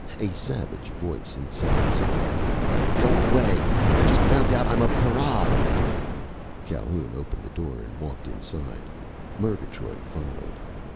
A savage voice inside said: "Go away! I just found out I'm a para!" Calhoun opened the door and walked inside. Murgatroyd followed.